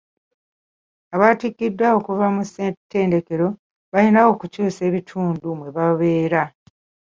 Abattikiddwa okuva mu ssetendekero balina okukyusa ebitundu mwe babeera.